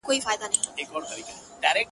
چي د ټولو افغانانو هیله ده.!.!